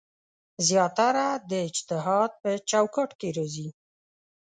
زیاتره د اجتهاد په چوکاټ کې راځي.